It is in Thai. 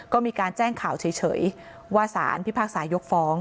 ก็มีการแจ้งข่าวเฉยว่าสารพิพากษายกฟ้อง